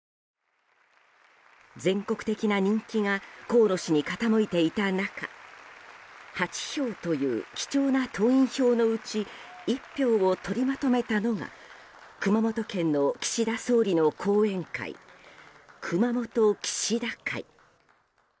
全国的な人気が河野氏に傾いていた中８票という貴重な党員票のうち１票を取りまとめたのが熊本県の岸田総理の後援会熊本岸田会。